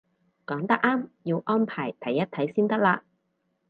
講得啱，要安排睇一睇先得嘞